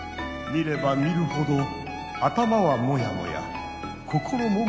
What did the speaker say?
見れば見るほど頭はモヤモヤ心もモヤモヤ。